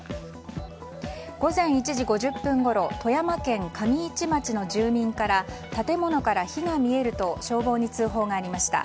午前１時５０分ごろ富山県上市町の住民から建物から火が見えると消防に通報がありました。